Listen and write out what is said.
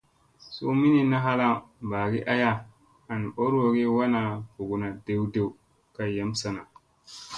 Suu minin na halaŋ ɓagi aya an ɓorowogi wana ɓuguna dew dew kay yam sana.